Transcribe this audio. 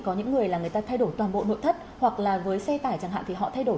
có những người là người ta thay đổi toàn bộ nội thất hoặc là với xe tải chẳng hạn thì họ thay đổi